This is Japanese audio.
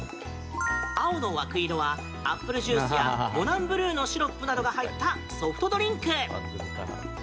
青の枠色はアップルジュースやモナンブルーのシロップなどが入ったソフトドリンク。